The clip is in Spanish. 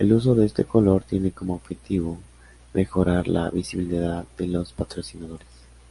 El uso de este color tiene como objetivo mejorar la visibilidad de los patrocinadores.